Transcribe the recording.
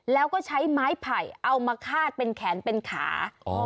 แล้วก็ใช้ไม้ไผ่เอามาคาดเป็นแขนเป็นขา